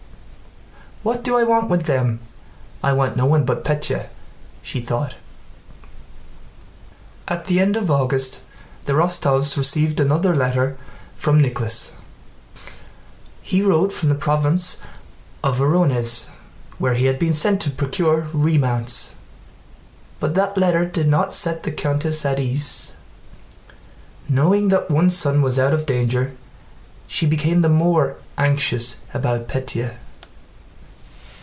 "What do I want with them? I want no one but Pétya," she thought. At the end of August the Rostóvs received another letter from Nicholas. He wrote from the province of Vorónezh where he had been sent to procure remounts, but that letter did not set the countess at ease. Knowing that one son was out of danger she became the more anxious about Pétya.